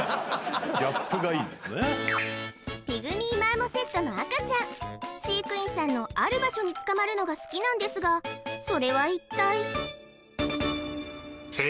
ピグミーマーモセットの赤ちゃん飼育員さんのある場所につかまるのが好きなんですがそれは一体？